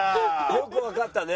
よくわかったね。